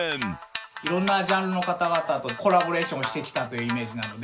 いろんなジャンルの方々とコラボレーションしてきたというイメージなので。